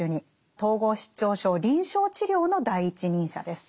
統合失調症臨床治療の第一人者です。